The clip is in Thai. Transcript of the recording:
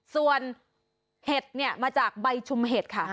ส่วนเห็ดเนี่ยมาจากใบชุมเห็ดค่ะ